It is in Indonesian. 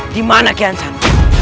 dimana kian san